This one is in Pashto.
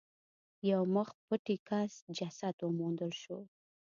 یو مخ پټي کس جسد وموندل شو.